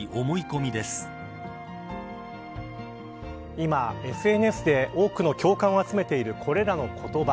今、ＳＮＳで多くの共感を集めているこれらの言葉。